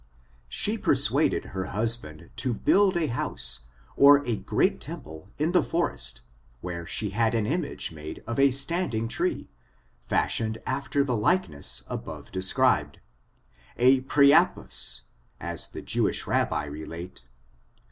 She persuaded her husband to build a house, or a great temple, in a forest, where she had an image made of a standing tree, fashioned after the likeness above described — a priapus, as the Jewish Rabbi re late.